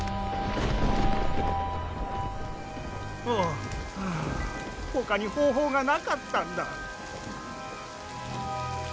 おおほかに方法がなかったんだ。